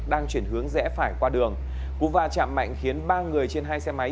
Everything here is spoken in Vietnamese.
đang chuyển hướng rẽ phải qua đường cú va chạm mạnh khiến ba người trên hai xe máy